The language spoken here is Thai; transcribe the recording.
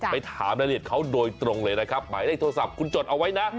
ไปถามรายละเอียดเขาโดยตรงเลยนะครับหมายเลขโทรศัพท์คุณจดเอาไว้นะ